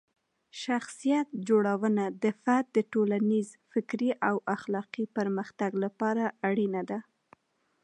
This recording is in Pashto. شخصیت جوړونه د فرد د ټولنیز، فکري او اخلاقي پرمختګ لپاره اړینه ده.